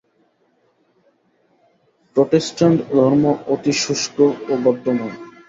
Protestant ধর্ম অতি শুষ্ক ও গদ্যময়।